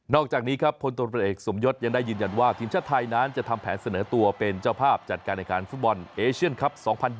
อกจากนี้ครับพลตรวจเอกสมยศยังได้ยืนยันว่าทีมชาติไทยนั้นจะทำแผนเสนอตัวเป็นเจ้าภาพจัดการแข่งขันฟุตบอลเอเชียนคลับ๒๐๒๐